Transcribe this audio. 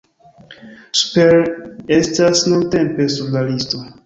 Super estas nuntempe sur la listo.